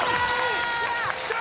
よっしゃ！